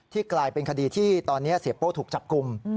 กลายเป็นคดีที่ตอนนี้เสียโป้ถูกจับกลุ่ม